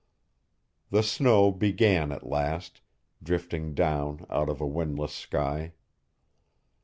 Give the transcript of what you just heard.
The snow began at last, drifting down out of a windless sky.